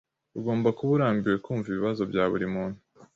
Ugomba kuba urambiwe kumva ibibazo bya buri muntu.